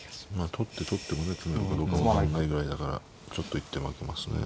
取って取ってもね詰めろかどうか分かんないぐらいだからちょっと一手負けますね。